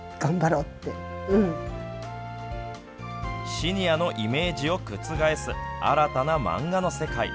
シニアのイメージを覆す新たな漫画の世界。